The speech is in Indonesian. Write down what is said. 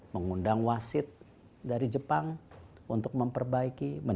maksudnya luar biasa kapal tych bukan ke climat kabismus